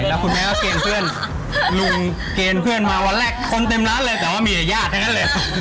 แล้วคุณแม่ก็เกณฑ์เพื่อนลุงเกณฑ์เพื่อนมาวันแรกคนเต็มร้านเลยแต่ว่ามีแต่ญาติทั้งนั้นเลย